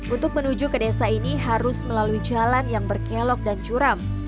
untuk menuju ke desa ini harus melalui jalan yang berkelok dan curam